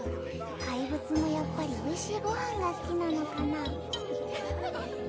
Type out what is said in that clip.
怪物もやっぱりおいしいごはんがすきなのかな？